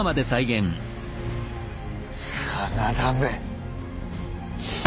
真田め。